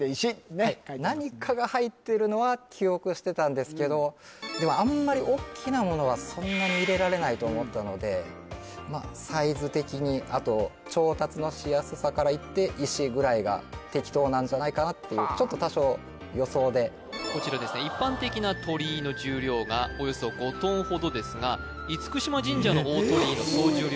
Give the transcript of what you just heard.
ねっ何かが入ってるのは記憶してたんですけどでもあんまりおっきなものはそんなに入れられないと思ったのでまあサイズ的にあと調達のしやすさからいって石ぐらいが適当なんじゃないかなっていうちょっと多少予想でこちらですねほどですが嚴島神社の大鳥居の総重量